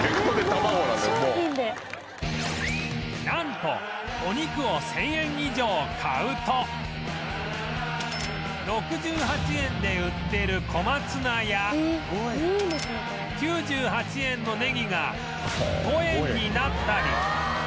なんとお肉を１０００円以上買うと６８円で売ってる小松菜や９８円のねぎが５円になったり